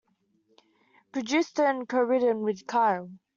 produced and co-written with Kyle.